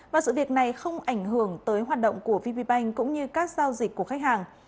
và sự việc này không ảnh hưởng tới hoạt động của vb bank cũng như các giao dịch của khách hàng